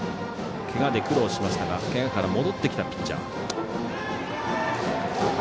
けがで苦労しましたがけがから戻ってきたピッチャー。